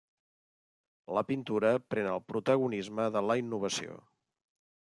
La pintura pren el protagonisme de la innovació.